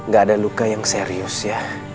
gak ada luka yang serius ya